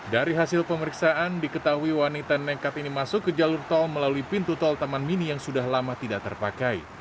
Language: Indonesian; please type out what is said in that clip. dari hasil pemeriksaan diketahui wanita nekat ini masuk ke jalur tol melalui pintu tol taman mini yang sudah lama tidak terpakai